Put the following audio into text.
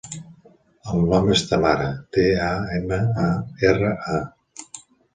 El nom és Tamara: te, a, ema, a, erra, a.